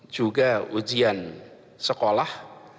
juga ujian sekolah